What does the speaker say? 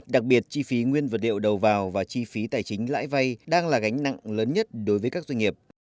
đặc biệt chi phí nguyên vật liệu đầu vào và chi phí tài chính lãi vay đang là gánh nặng lớn nhất đối với các doanh nghiệp